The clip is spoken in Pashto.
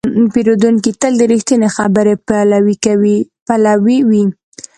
پیرودونکی تل د رښتینې خبرې پلوی وي.